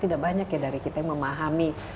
tidak banyak ya dari kita yang memahami